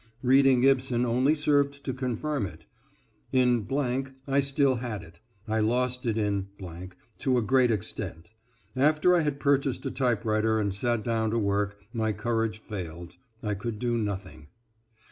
Reading Ibsen only served to confirm it. In .... I still had it. I lost it in .... to a great extent. After I had purchased a typewriter and sat down to work, my courage failed; I could do nothing.